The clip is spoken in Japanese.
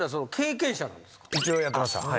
一応やってました昔。